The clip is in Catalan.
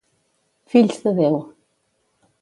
Fills de Déu.